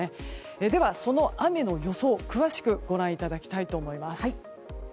では、その雨の予想、詳しくご覧いただきたいと思います。